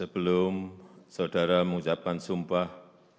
sebelum saudara mengucapkan sumpah